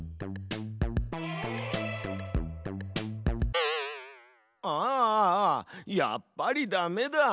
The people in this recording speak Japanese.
あああやっぱりダメだ。